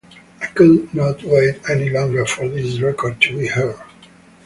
I could not wait any longer for this record to be heard.